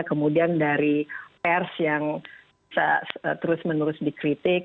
kemudian dari pers yang bisa terus menerus dikritik